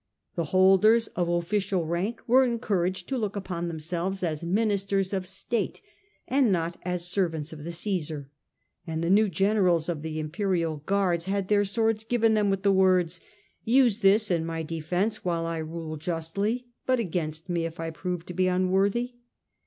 The holders of official rank were encouraged to look upon themselves as ministers of state and not as servants of the Ca:sar ; and the new generals of the imperial guards had their swords given them with the words, ' Use this in my defence while I rule justly, but against me if I prove to be unworthy.